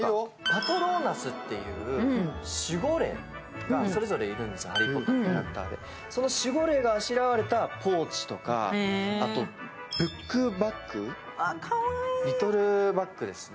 パトローナスていう守護霊がいるんです、「ハリー・ポッター」のキャラクターでその守護霊があしらわれたポーチとかブックバッグ、リトルバッグですね。